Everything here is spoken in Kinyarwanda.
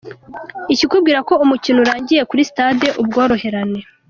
Ikikubwira ko umukino urangiye kuri sitade Ubworoherane.